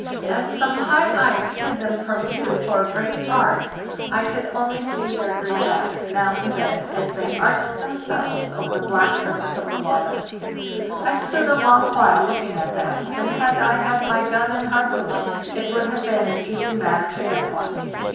As some high ice hid them from view for a great part, I could only see their gray backs, now and then, as they arched themselves over the black surface of the water. I stood a long while looking at them, and had I had my gun and harpoon, it would have been an easy matter to get one.